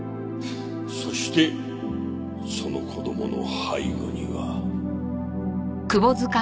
そしてその子供の背後には。